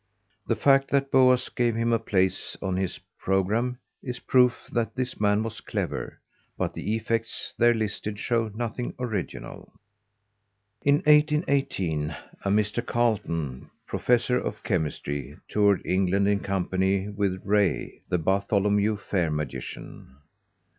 The fact that Boaz gave him a place on his programme is proof that this man was clever, but the effects there listed show nothing original. In 1818 a Mr. Carlton, Professor of Chemistry, toured England in company with Rae, the Bartholomew Fair magician.